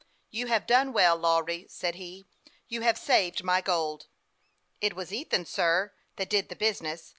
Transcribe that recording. " You have done well, Lawry," said he. " You have saved my gold." " It was Ethan, sir, that did the business.